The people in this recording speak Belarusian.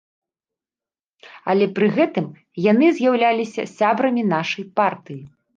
Але пры гэтым яны з'яўляліся сябрамі нашай партыі!